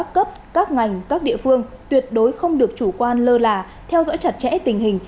cấp các ngành các địa phương tuyệt đối không được chủ quan lơ là theo dõi chặt chẽ tình hình